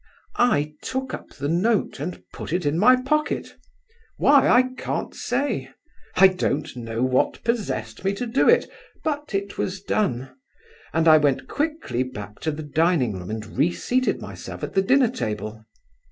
I took up the note and put it in my pocket; why, I can't say. I don't know what possessed me to do it, but it was done, and I went quickly back to the dining room and reseated myself at the dinner table.